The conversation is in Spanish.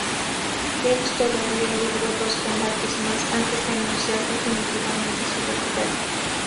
James todavía libró dos combates más antes de anunciar definitivamente su retirada.